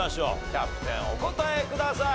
キャプテンお答えください。